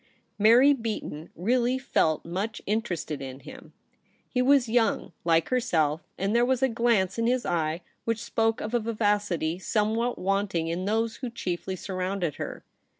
Mary Beaton really felt much interested in him. He was MARY BEATON. 71 young, like herself, and there was a glance in his eye which spoke of a vivacity somewhat wanting in those who chiefly surrounded her.